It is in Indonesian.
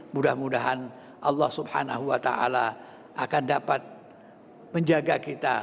mudah mudahan allah subhanahu wa ta'ala akan dapat menjaga kita